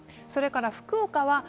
それから福岡は